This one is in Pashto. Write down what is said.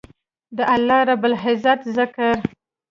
د الله رب العزت ذکر